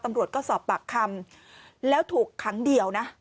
ตำรวจก็สอบปากคำแล้วถูกครั้งเดียวนะ